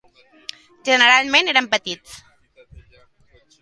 Generalment eren petits.